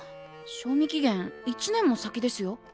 賞味期限１年も先ですよ。